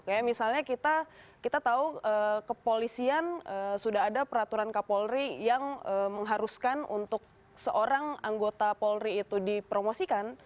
kayak misalnya kita tahu kepolisian sudah ada peraturan kapolri yang mengharuskan untuk seorang anggota polri itu dipromosikan